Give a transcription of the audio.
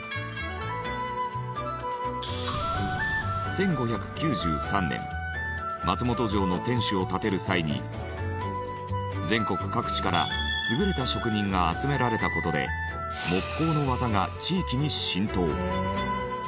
１５９３年松本城の天守を建てる際に全国各地から優れた職人が集められた事で木工の技が地域に浸透。